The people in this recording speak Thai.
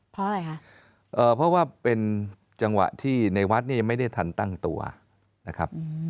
เพราะอะไรคะเพราะว่าเป็นจังหวะที่ในวัดเนี่ยไม่ได้ทันตั้งตัวนะครับ